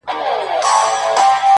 زه ستا په ځان كي يم ماته پيدا كړه ـ